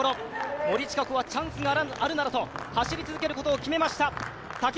森智香子はチャンスがあるならと走り続けることを決めました。